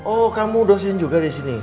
oh kamu dosen juga disini